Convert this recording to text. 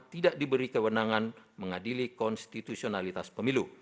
tidak diberi kewenangan mengadili konstitusionalitas pemilu